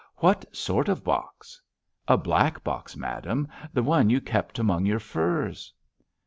"What sort of box?" "A black box, madame, the one you kept among your furs."